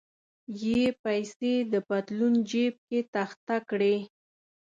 یې پیسې د پتلون جیب کې تخته کړې.